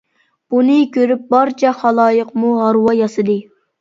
بۇنى كۆرۈپ بارچە خالايىقمۇ ھارۋا ياسىدى.